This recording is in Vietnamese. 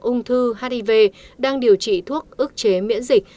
ung thư hiv đang điều trị thuốc ức chế miễn dịch